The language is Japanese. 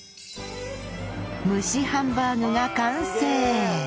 蒸しハンバーグが完成！